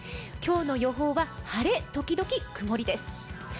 今日の予報は晴れときどき曇りです。